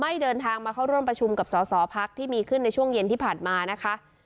เดินทางมาเข้าร่วมประชุมกับสอสอพักที่มีขึ้นในช่วงเย็นที่ผ่านมานะคะ